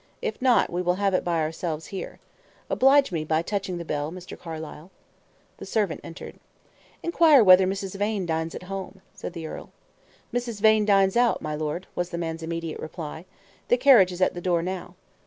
If not, we will have it by ourselves here. Oblige me by touching the bell, Mr. Carlyle." The servant entered. "Inquire whether Mrs. Vane dines at home," said the earl. "Mrs. Vane dines out, my lord," was the man's immediate reply. "The carriage is at the door now."